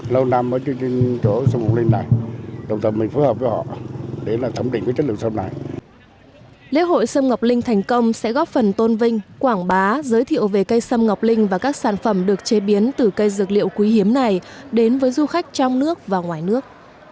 lễ hội sâm ngọc linh thành công sẽ góp phần tôn vinh quảng bá giới thiệu về cây sâm ngọc linh và các sản phẩm được chế biến từ cây dược liệu quý hiếm này đến với du khách trong nước và ngoài nước